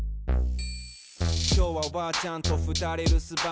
きょうはおばあちゃんとふたりるすばん。